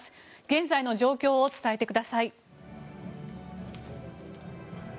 現在の状況を伝えてください。